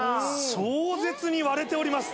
壮絶に割れております。